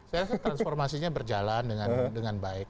saya rasa transformasinya berjalan dengan baik